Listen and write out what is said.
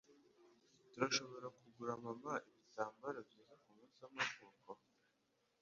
Turashobora kugura mama ibitambaro byiza kumunsi w'amavuko